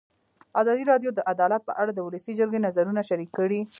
ازادي راډیو د عدالت په اړه د ولسي جرګې نظرونه شریک کړي.